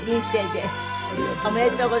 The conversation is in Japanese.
ありがとうございます。